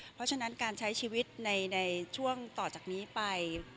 เพราะฉะนั้นการใช้ชีวิตในช่วงต่อจากนี้ไป